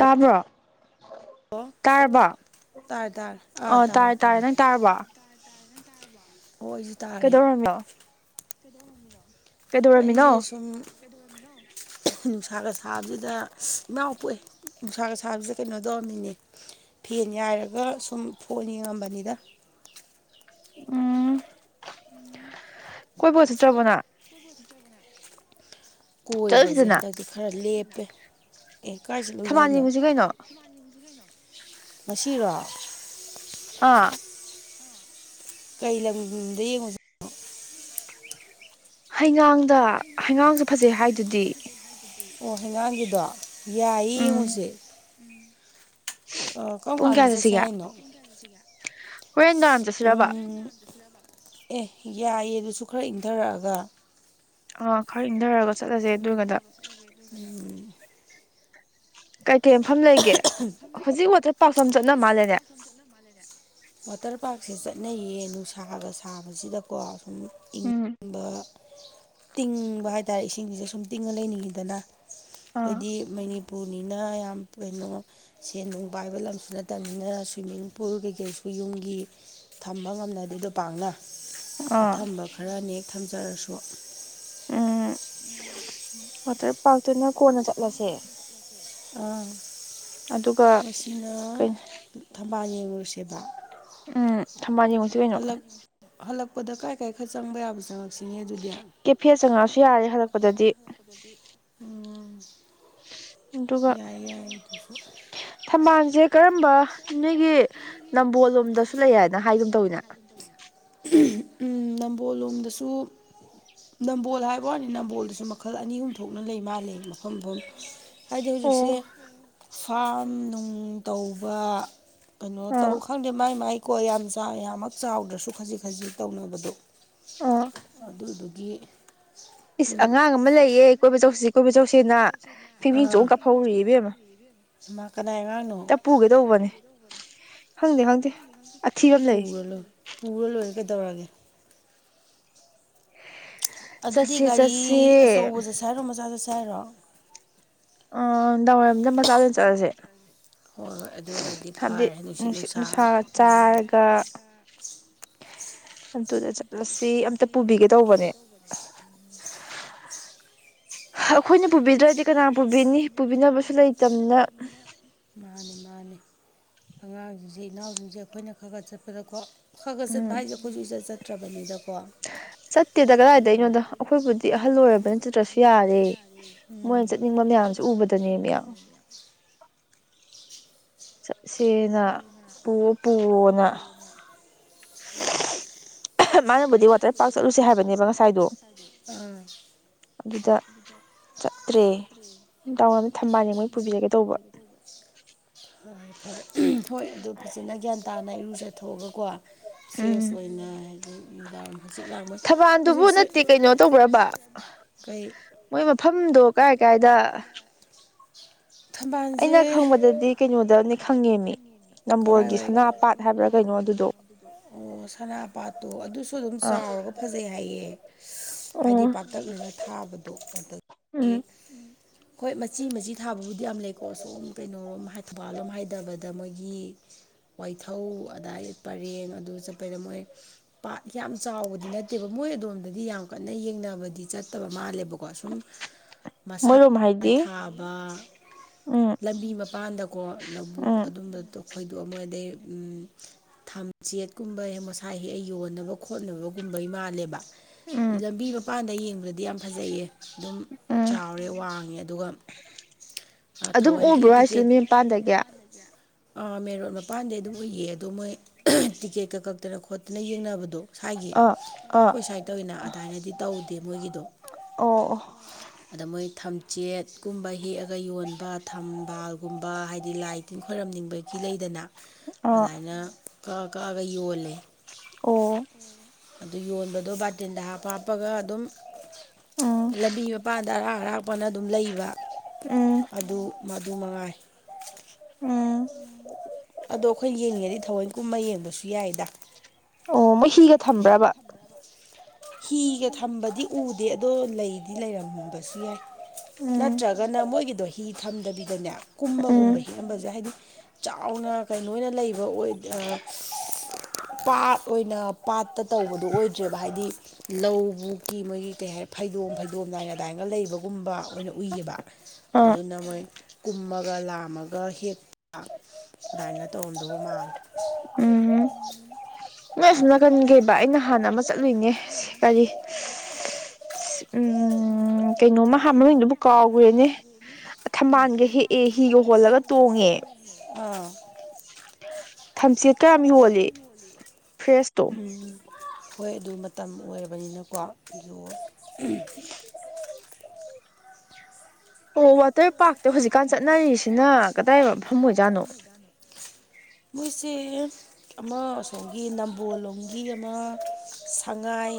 ꯀꯥꯕ꯭ꯔꯣ ꯑꯣ ꯇꯔꯦ ꯇꯔꯦ ꯑꯥ ꯑ ꯇꯔꯦ ꯇꯥꯔꯦ ꯇꯥꯔꯦ ꯇꯔꯦ ꯅꯪ ꯇꯥꯔꯕ ꯍꯣꯏꯁꯨ ꯇꯥꯔꯦ ꯀꯩꯗꯧꯔꯝꯃꯤꯅꯣ ꯀꯩꯗꯧꯔꯝꯃꯤꯅꯣ ꯑꯩꯁꯦ ꯀꯩꯗꯧꯔꯝꯃꯤꯅꯣ ꯁꯨꯝ [inaudible] ꯅꯨꯡꯁꯥꯒ ꯁꯥꯕꯁꯤꯗ ꯏꯃꯥꯎ ꯄꯣꯛꯑꯦ ꯅꯨꯡꯁꯥꯒ ꯁꯥꯕꯁꯤꯗ ꯀꯩꯅꯣ ꯇꯧꯔꯝꯃꯤꯅꯦ ꯐꯦꯟ ꯌꯥꯏꯔꯒ ꯁꯨꯝ ꯐꯣꯟ ꯌꯦꯡꯉꯝꯕꯅꯤꯗ ꯎꯝ ꯀꯣꯏꯕꯒ ꯆꯠꯇ꯭ꯔꯕꯣ ꯅ ꯀꯣꯏꯕꯁꯦ ꯍꯟꯗꯛꯇꯤ ꯈꯔ ꯂꯦꯞꯄꯦ ꯑꯦ ꯀꯥꯏ ꯆꯠꯂꯨꯁꯦ ꯊꯕꯥꯜ ꯍꯥꯏꯅꯣ ꯌꯦꯡꯉꯨꯁꯦ ꯀꯩꯅꯣ ꯉꯁꯤꯔꯣ ꯑ ꯀꯩ ꯂꯝꯗ ꯌꯦꯡꯉꯨꯁꯦ ꯍꯥꯢ ꯍꯩꯉꯥꯡꯗ ꯍꯩꯉꯥꯡꯁꯨ ꯐꯖꯩ ꯍꯥꯏꯗꯨꯗꯤ ꯑꯣ ꯍꯩꯉꯥꯡꯒꯤꯗꯣ ꯌꯥꯏꯌꯦ ꯎꯝ ꯌꯦꯡꯉꯨꯁꯦ ꯀꯝ ꯄꯨꯡ ꯀꯥꯟꯗ ꯀꯌꯥ ꯆꯠꯁꯦ ꯆꯠꯁꯤꯒꯦ ꯍꯥꯏꯅꯣ ꯍꯣꯔꯦꯟ ꯅꯨꯡꯗꯥꯡ ꯄꯨꯡ ꯀꯌꯥꯩꯆꯠꯁꯤꯒꯦ ꯆꯠꯁꯤꯔꯕ ꯄꯨꯡ ꯑꯦ ꯌꯥꯏꯌꯦ ꯑꯗꯨꯁꯨ ꯈꯔ ꯏꯪꯊꯔꯛꯑꯒ ꯑꯥ ꯈꯔ ꯏꯪꯊꯔꯒ ꯆꯠꯂꯁꯦ ꯑꯗꯨꯒꯗ ꯀꯩꯀꯩ ꯃꯐꯝ ꯂꯩꯒꯦ ꯍꯧꯖꯤꯛ ꯋꯥꯇꯔ ꯄꯥꯔꯛꯁꯨ ꯌꯥꯝ ꯆꯠꯅ ꯃꯥꯜꯂꯦꯅꯦ ꯋꯥꯇꯔ ꯄꯥꯔꯛꯁꯦ ꯆꯠꯅꯩꯌꯦ ꯅꯨꯡꯁꯥꯒ ꯁꯥꯕꯁꯤꯗꯀꯣ ꯁꯨꯝ ꯏꯪ ꯎꯝ ꯇꯤꯡꯕ ꯍꯥꯏꯇꯥꯔꯦ ꯏꯁꯤꯡꯁꯤꯗ ꯁꯨꯝ ꯇꯤꯡꯉ ꯂꯩꯅꯤꯡꯉꯤꯗꯅ ꯑꯥ ꯑꯩꯈꯣꯏꯗꯤ ꯃꯅꯤ ꯄꯨꯅꯤꯅ ꯌꯥꯝ ꯀꯩꯅꯣ ꯁꯦꯟ ꯅꯨꯡ ꯄꯥꯏꯕ ꯂꯝꯁꯨ ꯅꯠꯇꯕꯅꯤꯅ ꯁ꯭ꯋꯤꯃꯤꯡ ꯄꯨꯜ ꯀꯩꯀꯩꯁꯨ ꯌꯨꯝꯒꯤ ꯊꯝꯕ ꯉꯝꯅꯗꯦꯗꯣ ꯄꯥꯛꯅ ꯑꯥ ꯑꯊꯝꯕ ꯈꯔꯅꯦꯛ ꯊꯝꯖꯔꯁꯨ ꯎꯝ ꯋꯥꯇꯔ ꯄꯥꯔꯛꯇꯨꯅ ꯀꯣꯟꯅ ꯆꯠꯂꯁꯦ ꯑꯥ ꯑꯗꯨꯒ ꯉꯁꯤꯅ ꯀꯩ ꯊꯝꯕꯥꯜ ꯌꯦꯡꯉꯨ ꯎꯝ ꯊꯝꯕꯥꯜ ꯌꯦꯡꯉꯨꯁꯤ ꯀꯩꯅꯣ ꯍꯜꯂꯛ ꯍꯜꯂꯛꯄꯗ ꯀꯥꯏ ꯀꯥꯏ ꯈꯔ ꯆꯪꯕ ꯌꯥꯕ ꯆꯪꯉꯛ ꯁꯤꯅꯦ ꯑꯗꯨꯗꯤ ꯀꯦꯐꯦ ꯆꯪꯉꯛꯑꯁꯨ ꯀꯦꯐꯦ ꯌꯥꯔꯦ ꯆꯪꯉꯛꯑꯁꯨ ꯍꯜꯂꯛꯄꯗꯗꯤ ꯌꯥꯅꯤ ꯍꯜꯂꯛꯄꯗꯗꯤ ꯎꯝ ꯑꯗꯨꯒ ꯌꯥꯏ ꯌꯥꯏ ꯗꯨꯁꯨꯨ [unintelligible] ꯊꯝꯕꯥꯜꯁꯦ ꯀꯔꯝꯕ ꯅꯣꯏꯒꯤ ꯅꯝꯕꯣꯜ ꯂꯣꯝꯗꯁꯨ ꯂꯩ ꯍꯥꯏꯅ ꯍꯥꯏꯒꯨꯝꯅ ꯇꯧꯋꯤꯅꯦ [inaudible] ꯎꯝ ꯅꯝꯕꯣꯜꯂꯣꯝꯗꯁꯨ ꯅꯝꯕꯣꯜ ꯍꯥꯏꯕ ꯋꯥꯅꯤ ꯅꯝꯕꯣꯜꯗꯁꯨ ꯃꯈꯜ ꯑꯅꯤ ꯑꯍꯨꯝ ꯊꯣꯛꯅ ꯂꯩ ꯃꯥꯜꯂꯦ ꯃꯐꯝ ꯃꯐꯝ ꯍꯥꯏꯗꯤ ꯍꯧꯖꯤꯛꯁꯦ ꯑꯣ ꯐ꯭ꯔꯥꯝ ꯅꯨꯡ ꯇꯧꯕ ꯀꯩꯅꯣ ꯑꯥ ꯇꯧ ꯈꯪꯗꯦ ꯃꯥꯏ ꯃꯥꯏꯀꯣ ꯌꯥꯝ ꯌꯥꯝꯃꯛ ꯆꯥꯎꯗ꯭ꯔꯁꯨ ꯈꯖꯤꯛ ꯈꯖꯤꯛ ꯇꯧꯅꯕꯗꯣ ꯑꯥ ꯑꯗꯨꯗꯨꯒꯤ ꯏꯁ ꯑꯉꯥꯡ ꯑꯃ ꯂꯩꯌꯦ ꯀꯣꯏꯕ ꯆꯧꯁꯤ ꯀꯣꯏꯕ ꯆꯧꯁꯤꯅ ꯐꯤꯡꯐꯤꯡ ꯆꯣꯡ ꯑ ꯀꯥꯞꯐꯧꯔꯤꯌꯦ ꯏꯕꯦꯝꯃ ꯃꯥ ꯀꯅꯥꯏ ꯑꯉꯥꯡꯅꯣ ꯇ ꯄꯨꯒꯦ ꯇꯧꯕꯅꯦ ꯈꯪꯗꯦ ꯈꯪꯗꯦ ꯑꯊꯤꯕ ꯑꯃ ꯂꯩ ꯄꯨꯔ ꯂꯣ ꯄꯨꯔ ꯂꯦꯢꯔꯦ ꯀꯩ ꯇꯧꯔꯒꯦ [inaudible] ꯑꯗꯨꯗꯤ ꯆꯠꯁꯦ ꯒꯥꯔꯤ ꯆꯠꯁꯦ ꯑꯆꯧꯕ ꯆꯠꯁꯦ ꯍꯥꯏꯔꯣ ꯃꯆꯥ ꯆꯠꯁꯦ ꯍꯥꯏꯔꯣ ꯑ ꯅꯨꯡꯗꯥꯡ ꯋꯥꯏꯔꯝꯗ ꯃꯆꯥꯗ ꯑꯣꯏꯅ ꯆꯠꯂꯁꯦ ꯍꯣꯏ ꯍꯣꯏ ꯑꯗꯨꯅꯗꯤ ꯐꯔꯦ ꯅꯨꯡꯁꯤꯠ ꯅꯨꯡꯁꯥ ꯎꯝ [inaudible] ꯑꯝꯇ ꯄꯨꯕꯤꯒꯦ ꯇꯧꯕꯅꯦ ꯎꯝ ꯑꯩꯈꯣꯏꯅ ꯄꯨꯕꯤꯗ꯭ꯔꯗꯤ ꯀꯅꯥ ꯄꯨꯕꯤꯅꯤ ꯄꯨꯕꯤꯅꯕꯁꯨ ꯂꯩꯇꯝꯅꯤꯅ ꯃꯥꯅꯤ ꯃꯥꯅꯤ ꯑꯉꯥꯡꯁꯤꯡꯁꯦ ꯏꯅꯥꯎꯁꯤꯡꯁꯦ ꯑꯩꯈꯣꯏꯅ ꯈꯔ ꯒ ꯆꯠꯄꯗꯀꯣ ꯈꯒ ꯎꯝ ꯆꯠꯄ ꯍꯥꯏꯖꯦ ꯑꯈꯣꯏꯁꯨ ꯏꯆꯠ ꯆꯠꯇ꯭ꯔꯕꯅꯤꯗ ꯀꯣ ꯆꯠꯇꯦꯗ ꯀꯗꯥꯏꯗꯩꯅꯣꯗ ꯑꯩꯈꯣꯏꯕꯨꯗꯤ ꯑꯍꯜ ꯑꯣꯏꯔꯕꯅꯤꯅ ꯆꯠꯇ꯭ꯔꯁꯨ ꯌꯥꯔꯦ ꯃꯣꯏꯅ ꯆꯠꯅꯤꯡꯕ ꯃꯌꯥꯝꯁꯨ ꯎꯕꯗꯅꯦ ꯃꯤ ꯆꯠꯁꯦꯅ ꯄꯨꯑꯣ ꯄꯨꯑꯣꯅ ꯃꯥꯅꯕꯨꯗꯤ ꯋꯥꯇꯔ ꯄꯥꯔꯛ ꯆꯠꯂꯨꯁꯦ ꯍꯥꯏꯕꯅꯦꯕ ꯉꯁꯥꯏꯗꯣ ꯑꯥ ꯑꯗꯨꯗ ꯆꯠꯇ꯭ꯔꯦ ꯗꯥꯋꯥꯏꯔꯝꯗ ꯊꯝꯕꯥꯜ ꯌꯦꯡꯕ ꯑꯣꯏꯅ ꯄꯨꯕꯤꯔꯒꯦ ꯇꯧꯕ ꯍꯣꯏ ꯍꯣꯏ ꯑꯗꯨ ꯐꯖꯅ ꯒ꯭ꯌꯥꯟ ꯇꯥꯅ ꯏꯔꯨꯖꯊꯣꯛꯑꯒꯀꯣ ꯐ꯭ꯔꯦꯁ ꯎꯝ ꯑꯣꯏꯅ [inaudible] ꯅꯨꯡꯗꯥꯡꯋꯥꯏꯔꯝ ꯍꯥꯡꯆꯤꯛ ꯂꯥꯡꯕ ꯊꯕꯥꯜꯗꯨꯕꯨ ꯍꯧꯖꯤꯛꯁꯦ ꯅꯠꯇꯦ ꯀꯩꯅꯣ ꯇꯧꯕ꯭ꯔꯕ ꯀꯩ ꯃꯣꯏ ꯃꯐꯝꯗꯣ ꯀꯥꯏ ꯀꯥꯏꯗ ꯊꯝꯕꯥꯜꯁꯦ ꯑꯩꯅ ꯈꯪꯕꯗꯗꯤ ꯀꯩꯅꯣꯗꯅꯤ ꯈꯪꯉꯦꯃꯤ ꯅꯝꯕꯣꯜꯒꯤ ꯀꯔꯥꯏꯋꯥꯏ ꯁꯅꯥꯄꯥꯠ ꯍꯥꯏꯕ꯭ꯔꯥ ꯀꯩꯅꯣ ꯑꯗꯨꯗꯣ ꯑꯣ ꯁꯅꯥꯄꯥꯥꯠꯇꯣ ꯑꯗꯨꯁꯨ ꯑꯗꯨꯝ ꯑꯥ ꯆꯥꯎ ꯍꯥꯎꯔꯒ ꯐꯖꯩ ꯍꯥꯏꯌꯦ ꯍꯥꯏꯗꯤ ꯑꯣ ꯄꯥꯛꯇꯛꯅꯅ ꯊꯥꯕꯗꯣ ꯑꯗꯨꯗꯒꯤ ꯎꯝ ꯍꯣꯏ ꯃꯆꯤ ꯃꯆꯤ ꯊꯥꯕꯕꯨꯗꯤ ꯌꯥꯝ ꯂꯩꯀꯣ ꯁꯣꯝ ꯀꯩꯅꯣꯔꯣꯝ ꯊꯧꯕꯥꯜꯂꯣꯝ ꯍꯥꯏꯗꯕꯗ ꯃꯣꯏꯒꯤ ꯋꯥꯏꯊꯧ ꯑꯗꯥꯏ ꯄꯔꯦꯡ ꯑꯗꯨ ꯆꯠꯄꯩꯗ ꯃꯣꯏ ꯄꯥꯠ ꯌꯥꯝ ꯆꯥꯎꯕꯗꯤ ꯅꯠꯇꯦꯕ ꯃꯣꯏ ꯑꯗꯣꯝꯗꯗꯤ ꯌꯥꯝ ꯀꯟꯅ ꯌꯦꯡꯅꯕꯗꯤ ꯆꯠ ꯐꯠꯇꯕ ꯃꯥꯜꯂꯦꯕꯀꯣ ꯁꯨꯝ ꯃꯁꯥ ꯃꯣꯏꯔꯣꯝ ꯍꯥꯏꯗꯤ ꯊꯥꯕ ꯎꯝ ꯂꯝꯕꯤ ꯃꯄꯥꯟꯗꯀꯣ ꯂꯧꯕꯨꯛ ꯎꯝ ꯑꯗꯨꯝꯕꯗꯣ ꯈꯣꯏꯗꯣ ꯃꯣꯏ ꯗꯩ ꯎꯝ ꯊꯝꯆꯦꯠꯀꯨꯝꯕ ꯃꯁꯥ ꯍꯦꯛꯑ ꯌꯣꯟꯅꯕ ꯈꯣꯠꯅꯕꯒꯨꯝꯕꯩ ꯃꯥꯜꯂꯦꯕ ꯎꯝ ꯂꯝꯕꯤ ꯃꯄꯥꯟꯗ ꯌꯦꯡꯕꯗꯗꯤ ꯌꯥꯝ ꯐꯖꯩꯌꯦ ꯑꯗꯨꯝ ꯎꯝ ꯆꯥꯎꯔꯦ ꯋꯥꯡꯉꯦ ꯑꯗꯨꯒ ꯑꯗꯨꯝ ꯎꯕ꯭ꯔꯣ ꯊꯥꯋꯟꯒꯤ ꯍꯥꯏꯁꯤ ꯂꯝꯕꯤ ꯃꯄꯥꯟꯗꯒꯤ ꯑꯥ ꯃꯦꯟ ꯔꯣꯗ ꯃꯄꯥꯟꯗꯩ ꯑꯗꯨꯝ ꯎꯏꯌꯦ ꯑꯗꯣ ꯃꯣꯏ ꯇꯤꯛꯀꯦꯠꯀ ꯀꯛꯇꯅ ꯈꯣꯠꯇꯅ ꯌꯦꯡꯅꯕꯗꯣ ꯁꯥꯏꯒꯤ ꯑꯥ ꯑꯥ ꯑꯩꯈꯣꯏ ꯁ꯭ꯋꯥ ꯇꯧꯋꯤꯅ ꯑꯗꯥꯏꯅꯗꯤ ꯇꯧꯗꯦ ꯃꯣꯏꯒꯤꯗꯣ ꯑꯣ ꯑꯗ ꯃꯣꯏ ꯊꯝ ꯆꯦꯠꯀꯨꯝꯕ ꯍꯦꯛꯑꯒ ꯌꯣꯟꯕ ꯊꯝꯕꯥꯜꯒꯨꯝꯕ ꯍꯥꯏꯗꯤ ꯂꯥꯏ ꯇꯤꯟ ꯈꯣꯏꯔꯝꯅꯤꯡꯕ ꯀꯤ ꯂꯩꯗꯅ ꯑꯥ ꯑꯗꯥꯏꯅ ꯀꯛꯑ ꯀꯛꯑꯒ ꯌꯣꯜꯂꯦ ꯑꯣ ꯑꯗꯨ ꯌꯣꯟꯕꯗꯣ ꯕꯥꯇꯤꯟꯗ ꯍꯥꯞꯄ ꯍꯥꯞꯄꯒ ꯑꯗꯨꯝ ꯎꯝ ꯂꯝꯕꯤ ꯃꯄꯥꯟ ꯑꯔꯥꯛ ꯑꯔꯥꯛꯄꯅ ꯑꯗꯨꯝ ꯂꯩꯕ ꯎꯝ ꯑꯗꯨ ꯃꯗꯨ ꯃꯉꯥꯏ ꯎꯝ ꯑꯗꯣ ꯑꯩꯈꯣꯏ ꯌꯦꯡꯅꯤꯡꯉꯗꯤ ꯊꯋꯣꯏ ꯀꯨꯝꯃ ꯌꯦꯡꯕꯁꯨ ꯌꯥꯏꯗ ꯑꯣ ꯃꯣꯏ ꯍꯤꯒ ꯊꯝꯕ꯭ꯔꯕ ꯍꯤꯒ ꯊꯝꯕꯗꯤ ꯎꯗꯦ ꯑꯗꯣ ꯂꯩꯗꯤ ꯂꯩꯔꯝꯕꯁꯨ ꯌꯥꯏ ꯎꯝ ꯅꯠꯇ꯭ꯔꯒꯅ ꯃꯣꯏ ꯒꯤꯗꯣ ꯍꯤ ꯊꯝꯗꯕꯤꯗꯅꯦ ꯀꯨꯝꯃꯒꯨꯝꯕ ꯎꯝ ꯍꯦꯛꯑꯝꯕꯁꯨ ꯌꯥꯏ ꯍꯥꯏꯗꯤ ꯆꯥꯎꯅ ꯀꯩꯅꯣꯅ ꯂꯩꯕ ꯑꯣꯏ ꯑ ꯄꯥꯠ ꯑꯣꯏꯅ ꯄꯥꯠꯇ ꯇꯧꯕꯗꯣ ꯑꯣꯏꯗ꯭ꯔꯦꯕ ꯍꯥꯏꯗꯤ ꯂꯧ ꯃꯨꯛꯀꯤ ꯃꯣꯏꯒꯤ ꯀꯩ ꯍꯥꯏꯔꯦ ꯐꯩꯗꯣꯝ ꯐꯩꯗꯣꯝ ꯅꯥꯏꯅ ꯑꯗꯥꯏꯒ ꯂꯩꯕꯒꯨꯝꯕ ꯑꯣꯏꯅ ꯎꯏꯕ ꯑꯥ ꯑꯗꯨꯅ ꯃꯣꯏ ꯀꯨꯝꯃꯒ ꯂꯥꯝꯃꯒ ꯍꯦꯛꯄ ꯑꯗꯥꯏꯅ ꯇꯧꯔꯝꯗꯧꯕ ꯃꯥꯜꯂꯦ ꯁꯝ ꯅꯥꯀꯟꯒꯤ ꯑꯩꯅ ꯍꯥꯟꯅ ꯑꯃ ꯆꯠꯂꯨꯏꯅꯦ ꯀꯔꯤ ꯎꯝ ꯀꯩꯅꯣꯃ ꯍꯥ ꯃꯃꯤꯡꯗꯨꯕꯨ ꯀꯥꯎꯒ꯭ꯔꯦꯅꯦ ꯀꯩ ꯊꯝꯕꯥꯜꯒ ꯍꯦꯛꯑꯦ ꯍꯤꯒ ꯍꯣꯜꯂꯒ ꯇꯣꯡꯉꯦ ꯑꯥ ꯊꯝꯆꯦꯠꯀ ꯌꯥꯝ ꯌꯣꯜꯂꯤ ꯐ꯭ꯔꯦꯁꯇꯣ ꯎꯝ ꯍꯣꯏ ꯑꯗꯨ ꯃꯇꯝ ꯑꯣꯏꯔꯕꯅꯤꯅꯀꯣ ꯑꯗꯨ ꯑꯣ ꯋꯥꯇꯔ ꯄꯥꯔꯛꯇꯣ ꯍꯧꯖꯤꯛꯀꯥꯟ ꯆꯠꯅꯔꯤꯁꯦ ꯁꯤꯖꯤꯅ ꯈꯗ ꯈꯨꯜꯂꯤꯖꯥꯠꯅꯣ ꯃꯣꯏꯁꯦ ꯑꯃ ꯑꯁꯣꯝꯒꯤ ꯅꯝ ꯕꯣꯜꯂꯣꯝꯒꯤ ꯑꯃ ꯁꯉꯥꯏ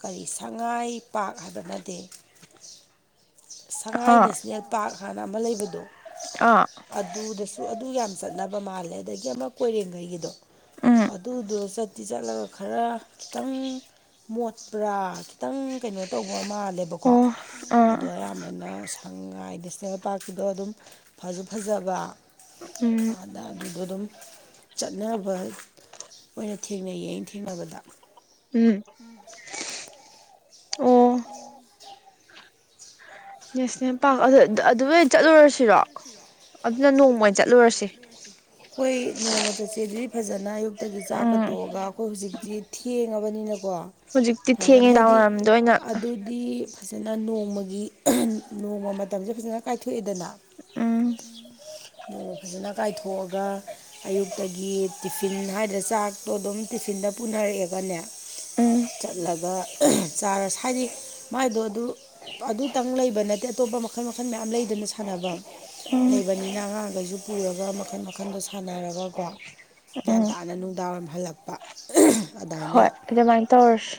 ꯀꯔꯤ ꯁꯉꯥꯏ ꯄꯥꯛ ꯍꯥꯏꯕ ꯅꯗꯦ ꯁꯉꯥꯏ ꯑꯥ ꯅꯦꯁꯅꯦꯜ ꯄꯥꯔꯛ ꯍꯥꯅ ꯑꯃ ꯂꯩꯕꯗꯣ ꯑꯥ ꯑꯗꯨꯗꯁꯨ ꯑꯗꯨ ꯌꯥꯝ ꯆꯠ ꯆꯠꯅꯕ ꯃꯥꯜꯂꯦ ꯑꯗꯒꯤ ꯑꯃ ꯀꯣꯏꯔꯦꯡꯒꯦꯒꯤꯗꯣ ꯎꯝ ꯑꯗꯨꯗꯣ ꯆꯠꯇꯤ ꯆꯠꯂꯒ ꯈꯔ ꯈꯤꯇꯪ ꯃꯣꯠꯄ꯭ꯔꯥ ꯈꯤꯇꯪ ꯀꯩꯅꯣ ꯇꯧꯕ ꯍꯣ ꯃꯥꯜꯂꯦꯕꯀꯣ ꯑꯣ ꯑꯗꯣ ꯑꯥ ꯑꯌꯥꯝꯕ ꯑꯗ ꯁꯉꯥꯏ ꯅꯦꯁꯅꯦꯜ ꯄꯥꯔꯛꯀꯤꯗꯣ ꯑꯗꯨꯝ ꯐꯖꯨ ꯐꯖꯕ ꯎꯝ ꯑꯥꯗ ꯑꯗꯨꯗꯣ ꯑꯗꯨꯝ ꯆꯠꯅꯕ ꯑꯣꯏꯅ ꯊꯦꯡꯅꯩꯌꯦ ꯑꯩꯅ ꯊꯦꯡꯅꯕꯗ ꯎꯝ ꯑꯣ ꯅꯦꯁꯅꯦꯜ ꯄꯥꯔꯛ ꯑꯗꯨ ꯑꯗ ꯑꯗꯨꯗ ꯑꯣꯏꯅ ꯆꯠꯂꯨꯔꯁꯤꯔꯣ ꯑꯗꯨꯅ ꯅꯣꯡꯃ ꯑꯣꯏ ꯆꯠꯂꯨꯔꯁꯦ ꯈꯣꯏ ꯅꯣꯡꯃ ꯆꯠꯁꯦꯗꯤ ꯐꯖꯅ ꯑꯌꯨꯛꯇꯒꯤ ꯆꯥꯛꯀ ꯎꯝ ꯇꯣꯛꯉꯒ ꯑꯩꯈꯣꯏ ꯍꯧꯖꯤꯛꯇꯤ ꯊꯦꯡꯉꯕꯅꯤꯅꯀꯣ ꯍꯧꯖꯤꯛꯇꯤ ꯊꯦꯡꯉꯦ ꯐꯖꯅ ꯅꯨꯡꯗꯥꯡ ꯍꯥꯏꯗꯤ ꯋꯥꯏꯔꯝꯗ ꯑꯣꯏꯅ ꯑꯗꯨꯗꯤ ꯐꯖ ꯐꯖꯅ ꯅꯣꯡꯃꯒꯤ ꯅꯣꯡꯃ ꯃꯇꯝꯁꯦ ꯐꯖꯅ ꯀꯥꯏꯊꯣꯛꯑꯦꯗꯅ ꯎꯝ ꯑꯗꯨꯒ ꯐꯖꯅ ꯀꯥꯏꯊꯣꯛꯑꯒ ꯑꯌꯨꯛꯇꯒꯤ ꯇꯤꯐꯤꯟ ꯍꯥꯏꯗ꯭ꯔ ꯆꯥꯛꯇꯣ ꯑꯗꯨꯝ ꯇꯛꯐꯤꯟꯗ ꯄꯨꯅꯔꯛꯑꯒꯅꯦ ꯎꯝ ꯆꯠꯂꯒ ꯆꯥꯔ ꯍꯥꯏꯗꯤ ꯃꯥꯏꯗꯣ ꯑꯗꯨ ꯑꯗꯨꯇꯪ ꯂꯩꯕ ꯅꯠꯇꯦ ꯑꯇꯣꯞꯄ ꯃꯈꯜ ꯃꯈꯜ ꯃꯌꯥꯝ ꯂꯩꯗꯅ ꯁꯥꯟꯅꯕꯝ ꯎꯝ ꯑꯩꯅ ꯑꯉꯥꯡꯈꯩꯁꯨ ꯄꯨꯔꯒ ꯃꯈꯜ ꯃꯈꯟꯗ ꯁꯥꯟꯅꯔꯒꯀꯣ ꯒ꯭ꯌꯥꯟ ꯎꯝ ꯇꯥꯅ ꯅꯨꯡꯗꯥꯡ ꯋꯥꯏꯔꯝ ꯍꯜꯂꯛꯄ ꯑꯗꯥꯏꯅ ꯍꯣꯏ ꯑꯗꯨ ꯑꯗꯨꯃꯥꯏꯅ ꯇꯧꯔꯁꯤ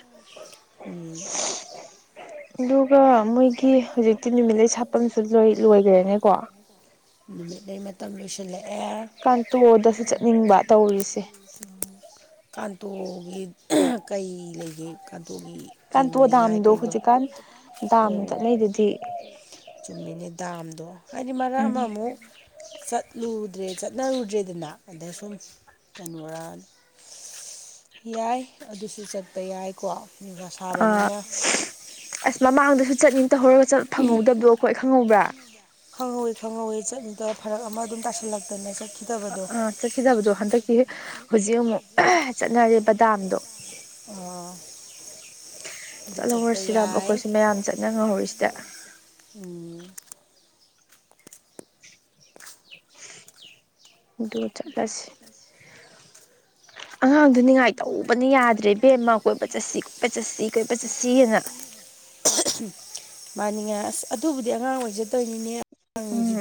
ꯑꯗꯨꯒ ꯃꯣꯏꯒꯤ ꯍꯧꯖꯤꯛꯇꯤ ꯅꯨꯃꯤꯠꯂꯩ ꯁꯥꯠ ꯅꯨꯃꯤꯠ ꯂꯩ ꯃꯇꯝ ꯂꯣꯏꯁꯤꯜꯂꯦ ꯀꯥꯡꯇꯣꯗꯁꯨ ꯆꯠꯅꯤꯡꯕ ꯇꯧꯔꯤꯁꯦ ꯀꯥꯟꯇꯣꯒꯤ ꯀꯩ ꯂꯩꯒꯦ ꯀꯥꯟꯇꯣꯒꯤ ꯀꯥꯟꯇꯣ ꯌꯦꯡꯅꯤꯡꯉꯥꯏ ꯗꯥꯝꯗꯣ ꯀꯣꯏꯕꯝ ꯍꯧꯖꯤꯛꯀꯥꯟ ꯗꯥꯝ ꯑꯣ ꯆꯠꯅꯩꯗꯨꯗꯤ ꯆꯨꯝꯃꯤꯅꯦ ꯗꯥꯝꯗꯣ ꯍꯥꯏꯗꯤ ꯃꯔꯛ ꯎꯝ ꯑꯃ ꯑꯃꯨꯛ ꯆꯠꯂꯨ ꯗ꯭ꯔꯦ ꯆꯠꯅꯔꯨꯗ꯭ꯔꯦꯗꯅ ꯑꯗ ꯁꯨꯝ ꯀꯩꯅꯣꯔ ꯌꯥꯏ ꯑꯗꯨꯁꯨ ꯆꯠꯄ ꯌꯥꯏꯀꯣ ꯅꯨꯡꯁꯥ ꯑ ꯁꯥꯕꯅꯤꯅ ꯑꯁ ꯃꯃꯥꯡꯗꯁꯨ ꯆꯠꯅꯤꯡ ꯇꯧꯍꯧꯔꯒ ꯆꯠ ꯐꯪꯍꯧꯗꯕꯗꯣ ꯑꯈꯣꯏ ꯈꯪꯍꯧꯕ꯭ꯔ ꯈꯪꯍꯧꯋꯤ ꯈꯪꯍꯧꯋꯤ ꯆꯠꯅꯤꯗ ꯐꯔꯛ ꯑꯃ ꯑꯗꯨꯝ ꯇꯁꯤꯜꯂꯛꯇꯅ ꯆꯠ ꯑꯥ ꯆꯠꯈꯤꯗꯕꯗꯣ ꯍꯟꯗꯛꯀꯤ ꯍꯧꯖꯤꯛ ꯑꯃꯨꯛ ꯆꯠꯅꯔꯦꯕ ꯗꯥꯝꯗꯣ ꯑꯣ ꯆꯠꯍꯧꯔꯁꯤꯔꯕ ꯑꯩꯈꯣꯏꯁꯨ ꯃꯌꯥꯝ ꯆꯠꯅ ꯉꯍꯧꯔꯤꯁꯤꯗ ꯎꯝ ꯑꯗꯨ ꯆꯠꯂꯁꯤ ꯆꯠꯂꯁꯦ ꯑꯉꯥꯡꯗꯨ ꯅꯤꯡꯉꯥꯏ ꯇꯧꯕꯅ ꯌꯥꯗ꯭ꯔꯦ ꯏꯕꯦꯝꯃ ꯀꯣꯏꯕ ꯆꯠꯁꯤ ꯀꯣꯏꯄ ꯆꯠꯁꯤ ꯀꯣꯏꯕ ꯆꯠꯁꯤ ꯅ [inaudible] ꯃꯥꯅꯤꯉꯥꯏ ꯑꯁ ꯑꯗꯨꯕꯨꯗꯤ ꯑꯉꯥꯡ ꯑꯣꯏꯖꯇꯩꯅꯤꯅꯦ ꯎꯝ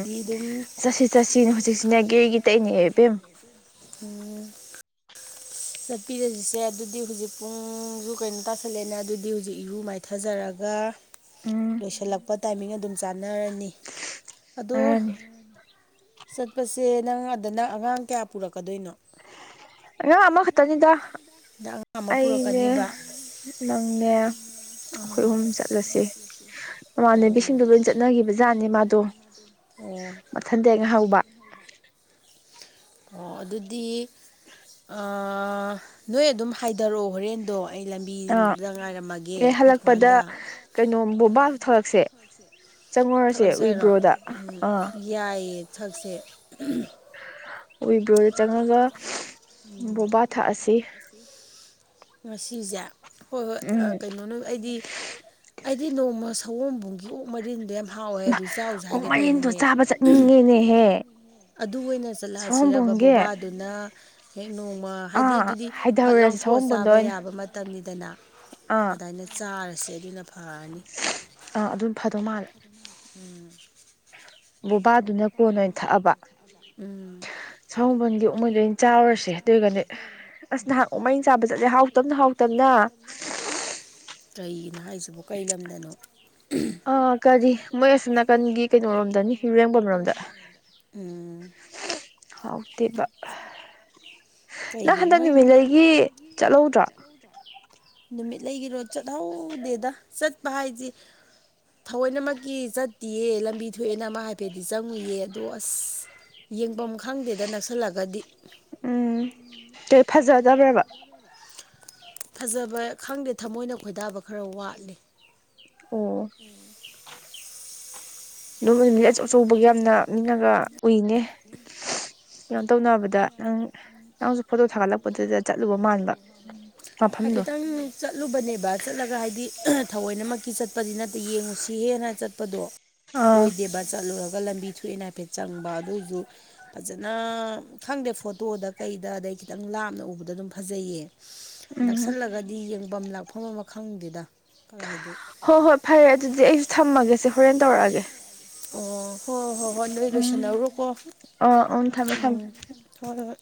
ꯆꯠꯁꯤ ꯆꯠꯁꯤꯅ ꯍꯧꯖꯤꯛꯁꯤꯅ ꯒꯦꯒꯤ ꯇꯛꯅꯦ ꯏꯕꯦꯝ ꯎꯝ ꯆꯠꯄꯤꯔꯁꯤꯁꯦ ꯑꯗꯨꯗꯤ ꯍꯧꯖꯤꯛ ꯄꯨꯡꯁꯨ ꯀꯩꯅꯣ ꯇꯥꯥꯁꯜꯂꯦꯅ ꯑꯗꯨꯗꯤ ꯍꯧꯖꯤꯛ ꯏꯔꯨ ꯃꯥꯏꯊꯖꯔꯒ ꯒ ꯎꯝ ꯂꯣꯏꯁꯤꯜꯂꯛꯄ ꯇꯥꯏꯃꯤꯡ ꯑꯗꯨꯝ ꯆꯥꯟꯅꯔꯅꯤ ꯑꯗꯣ ꯇꯔꯅꯤ ꯆꯠꯄꯁꯦ ꯅꯪ ꯑꯗ ꯅꯪ ꯑꯉꯥꯡ ꯀꯌꯥ ꯄꯨꯔꯛꯀꯗꯣꯏꯅꯣ ꯑꯉꯥꯡ ꯑꯃꯈꯛꯇꯅꯤꯗ ꯅꯪ ꯑꯉꯥꯡ ꯑꯃ ꯑꯩꯅꯦ ꯄꯨꯔꯛꯀꯅꯤꯕ ꯅꯪꯅꯦ ꯑꯩꯈꯣꯏ ꯑꯥ ꯑꯍꯨꯝ ꯆꯠꯂꯁꯤ ꯃꯃꯥꯟꯅꯕꯤꯁꯤꯡꯗꯣ ꯂꯣꯏ ꯑꯣ [inaudible] ꯃꯊꯟꯗ ꯍꯦ ꯉꯥꯏꯍꯧꯕ ꯑꯣ ꯑꯗꯨꯗꯤ ꯑꯥ ꯅꯣꯏ ꯑꯗꯨꯝ ꯍꯥꯏꯗꯔꯛꯑꯣ ꯍꯣꯔꯦꯟꯗꯣ ꯑꯩ ꯑꯥ ꯂꯝꯕꯤꯗ ꯉꯥꯏꯔꯝꯃꯒꯦ ꯑꯦ ꯑꯩꯈꯣꯏ ꯍꯜꯂꯛꯄꯗ ꯊꯣꯡꯒꯥꯟꯗ ꯀꯩꯅꯣꯝ ꯕꯣꯕꯥꯁꯨ ꯊꯛꯂꯛꯁꯦ ꯆꯪꯉꯨꯔꯁꯦ ꯊꯠꯂꯛꯁꯦ ꯍꯥꯏꯔꯣ ꯋꯤꯕ꯭ꯔꯣꯗ ꯎꯝ ꯑꯥ ꯌꯥꯏꯌꯦ ꯊꯛꯁꯦ [inaudible] ꯑꯣꯏꯗꯣꯏ ꯆꯪꯉꯒ ꯕꯣꯕꯥ ꯊꯛꯑꯁꯤ ꯉꯁꯤꯁꯦ ꯍꯣꯏ ꯍꯣꯏ ꯑ ꯎꯝ ꯀꯩꯅꯣꯅꯨ ꯑꯩꯗꯤ ꯑꯩꯗꯤ ꯅꯣꯡꯃ ꯁꯑꯣꯝꯕꯨꯡꯒꯤ ꯑꯣꯛ ꯃꯔꯤꯟꯗꯣ ꯌꯥꯝ ꯍꯥꯎꯋꯦ ꯑꯗꯨ ꯆꯥꯎꯁꯦ ꯑꯣꯛ ꯍꯥꯏꯒꯦ ꯃꯔꯤꯟꯗꯣ ꯇꯩꯅꯤꯅꯦ ꯆꯥꯕ ꯆꯠꯅꯤꯡꯉꯦꯅꯦꯍꯦ ꯑꯗꯨ ꯑꯣꯏꯅ ꯆꯠꯂꯛꯑꯁꯤ ꯔꯕ ꯁꯑꯣꯝꯕꯨꯡꯒꯤ ꯕꯣꯕꯥꯗꯨꯅ ꯍꯦꯛ ꯅꯣꯡꯃ ꯍꯥꯏꯗꯤ ꯑꯥ ꯑꯗꯨꯗꯤ ꯐꯠ ꯍꯥꯏꯊꯔꯨꯔꯁꯤ ꯂꯥꯎꯊꯣꯛꯑ ꯁꯑꯣꯝꯕꯨꯟꯗ ꯆꯥꯕ ꯑꯣꯏꯅ ꯌꯥꯕ ꯃꯇꯝꯅꯤꯗꯅ ꯑꯥ ꯑꯗꯥꯏꯅ ꯆꯥꯔꯁꯦ ꯑꯗꯨꯅ ꯐꯔꯅꯤ ꯑꯥ ꯑꯗꯨꯝ ꯐꯗꯧ ꯃꯥꯜꯂꯦ ꯎꯝ ꯕꯣꯕꯥꯗꯨꯅ ꯀꯣꯟꯅ [inaudible] ꯎꯝ ꯁꯑꯣꯝꯕꯨꯒꯤ ꯑꯣꯛ ꯃꯩꯔꯤꯜ ꯆꯥꯎꯔꯁꯦ ꯑꯗꯨꯏꯒꯗꯤ ꯑꯁ ꯅꯍꯥꯟ ꯑꯣꯛ ꯃꯔꯤꯜ ꯆꯥꯕ ꯆꯠꯂꯦ ꯍꯥꯎꯇꯝꯅ ꯍꯥꯎꯇꯝꯅ ꯍꯥꯎꯇꯝꯅ [inaudible] ꯀꯔꯤꯒꯤꯅꯣ ꯍꯥꯏꯁꯤꯕ ꯀꯩ ꯂꯝꯗꯅꯣ ꯑ ꯀꯔꯤ ꯃꯣꯏ ꯑꯁꯣꯝ ꯅꯥꯀꯟꯒꯤ ꯀꯩꯅꯣꯔꯣꯝꯗꯅꯤ ꯌꯨꯔꯦꯝꯕꯝ ꯔꯣꯝꯗ ꯎꯝ ꯍꯥꯎꯇꯦꯕ ꯅꯪ ꯀꯩꯒꯤꯅꯣ ꯍꯟꯗꯛ ꯃꯣꯏ ꯑꯃꯨꯛ ꯅꯨꯃꯤꯠꯂꯩꯒꯤ ꯆꯠꯍꯧꯗ꯭ꯔꯣ ꯂꯩꯒꯤꯔꯣꯗ ꯆꯠꯍꯧꯗꯦꯗ ꯆꯠꯄ ꯍꯥꯏꯖꯤ ꯊꯑꯣꯏꯅꯃꯛꯀꯤ ꯆꯠꯇꯤꯌꯦ ꯂꯝꯕꯤ ꯊꯣꯛꯑꯦꯅ ꯑꯃ ꯍꯥꯏꯐꯦꯠꯇꯤ ꯆꯪꯉꯨꯏꯌꯦ ꯑꯗꯣ ꯑꯁ ꯌꯦꯡꯐꯝ ꯈꯪꯗꯦꯗ ꯅꯛꯁꯜꯂꯒꯗꯤ ꯑꯦ ꯐꯖꯗꯕ꯭ꯔꯕ ꯐꯖꯕ ꯈꯪꯗꯦ ꯊꯃꯣꯏꯅ ꯈꯣꯏꯗꯥꯕ ꯈꯔ ꯋꯥꯠꯂꯦ ꯑꯣ ꯑꯗꯨꯝ ꯅꯨꯃꯤꯠꯂꯩ ꯑꯆꯧ ꯑꯆꯧꯕꯒ ꯌꯥꯝꯅ ꯃꯤꯅꯒ ꯎꯏꯅꯦ ꯀꯩꯅꯣ ꯇꯧꯅꯕꯗ ꯅꯪ ꯅꯪꯁꯨ ꯐꯣꯇꯣ ꯊꯥꯒꯠꯂꯛꯄꯗꯨꯗ ꯆꯠꯂꯨꯕ ꯃꯥꯟꯕ ꯃꯐꯝꯗꯣ ꯍꯥꯏꯐꯦꯠꯇꯪ ꯆꯠꯂꯨꯕꯅꯦꯕ ꯆꯠꯂꯒ ꯍꯥꯏꯗꯤ ꯊꯑꯣꯏꯅꯃꯛꯀꯤ ꯆꯠꯄꯗꯤ ꯅꯠꯇꯦ ꯌꯦꯡꯉꯨ ꯁꯤ ꯍꯦꯟꯅ ꯆꯠꯄꯗꯣ ꯑꯥ ꯑꯣꯏꯗꯦꯕ ꯆꯠꯂꯨꯔꯕ ꯂꯝꯕꯤ ꯊꯣꯛꯑꯦꯅ ꯍꯥꯏꯐꯦꯠ ꯆꯪꯕ ꯑꯗꯨꯏꯁꯨ ꯐꯖꯅ ꯈꯪꯗꯦ ꯐꯣꯇꯣꯗ ꯀꯩꯗ ꯑꯗꯩ ꯈꯤꯇꯪ ꯂꯥꯞꯅ ꯎꯕꯗ ꯑꯗꯨꯝ ꯐꯖꯩꯌꯦ ꯎꯝ ꯅꯛꯁꯜꯂꯒꯗꯤ ꯌꯦꯡꯐꯝ ꯂꯥꯛꯐꯝ ꯑꯃ ꯈꯪꯗꯦꯗ ꯀꯥꯏꯗꯦ ꯍꯣꯏ ꯍꯣꯏ ꯐꯔꯦ ꯑꯗꯨꯗꯤ ꯑꯩꯁꯨ ꯊꯝꯃꯒꯦꯁꯦ ꯍꯣꯔꯦꯟ ꯇꯧꯔꯛꯑꯒꯦ ꯑꯣ ꯍꯣꯏ ꯍꯣꯏ ꯍꯣꯏ ꯍꯣꯏ ꯅꯣꯏ ꯎꯝ ꯂꯣꯏꯁꯟꯅꯧꯨꯔꯣꯀꯣ ꯑ ꯎꯝ ꯊꯝꯃꯦ ꯊꯝꯃꯦ ꯎꯝ ꯍꯣꯏ ꯍꯣꯏ